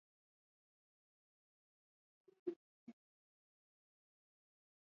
Dbeibah ambaye amekataa kukabidhi madaraka kwa Fathi Bashagha